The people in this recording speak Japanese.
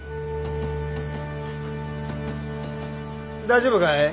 大丈夫かい？